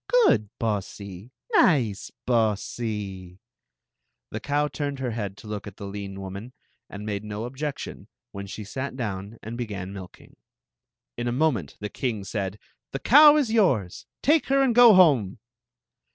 Good Bossie! 74 Queen Zixi of Ix ; or, the The cow turned her head to look at the lean woman, and made no objection when she sat down and began milking. In a moment the king said : "The cow is yours! Take her and go home!"